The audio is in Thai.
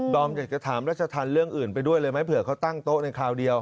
อยากจะถามรัชธรรมเรื่องอื่นไปด้วยเลยไหมเผื่อเขาตั้งโต๊ะในคราวเดียว